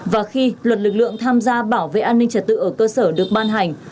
và khi luật lực lượng tham gia bảo vệ an ninh trật tự ở cơ sở được ban hành